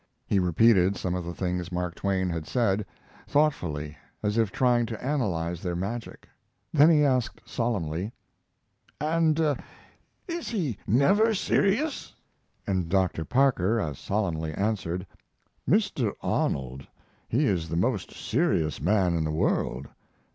He repeated some of the things Mark Twain had said; thoughtfully, as if trying to analyze their magic. Then he asked solemnly: "And is he never serious?" And Dr. Parker as solemnly answered: "Mr. Arnold, he is the most serious man in the world."